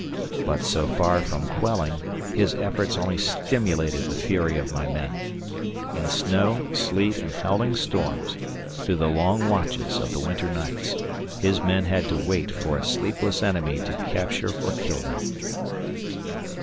But so far from quelling, his efforts only stimulated the fury of my men. In snow, sleet, and howling storms, through the long watches of the winter nights, his men had to wait for a sleepless enemy to capture or kill them.